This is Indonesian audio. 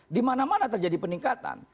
di mana mana terjadi peningkatan